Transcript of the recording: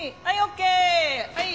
はい。